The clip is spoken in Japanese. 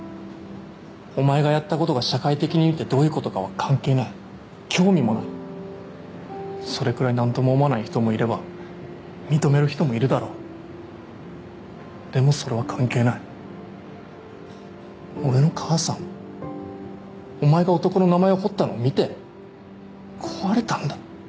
お前がやったことが社会的に見てどういうことかは関係ない興味もないそれくらいなんとも思わない人もいれば認める人もいるだろうでもそれは関係ない俺の母さんはお前が男の名前を彫ったのを見て壊れたんだ